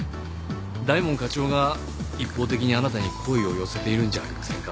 大門課長が一方的にあなたに好意を寄せているんじゃありませんか？